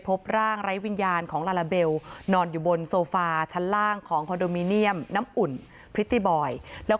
ครอบครัวไม่ได้อาฆาตแต่มองว่ามันช้าเกินไปแล้วที่จะมาแสดงความรู้สึกในตอนนี้